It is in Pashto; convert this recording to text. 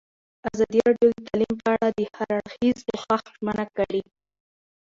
ازادي راډیو د تعلیم په اړه د هر اړخیز پوښښ ژمنه کړې.